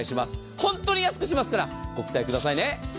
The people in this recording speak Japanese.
本当に安くしますからご期待くださいね。